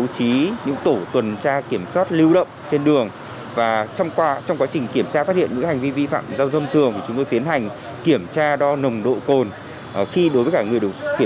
điều khiển phương tiện vi phạm nồng độ cồn ma túy